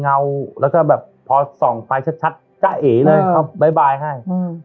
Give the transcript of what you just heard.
เงาแล้วก็แบบพอส่องไปชัดจ๊ะเอเลยเขาบ๊ายบายให้